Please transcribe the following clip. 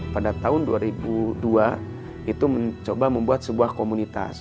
pada tahun dua ribu dua itu mencoba membuat sebuah komunitas